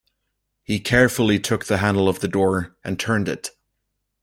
He carefully took the handle of the door, and turned it.